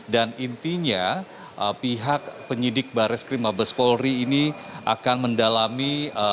intinya pihak penyidik bares krim mabes polri ini akan mendalami